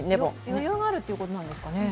余裕があるってことなんですかね？